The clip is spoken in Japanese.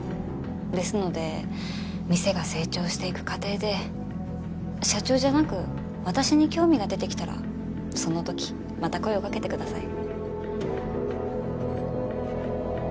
ですので店が成長していく過程で社長じゃなく私に興味が出てきたらその時また声をかけてください。